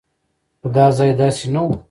خو دا ځای داسې نه و.